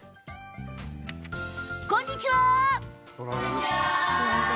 こんにちは！